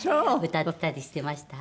歌ってたりしてました。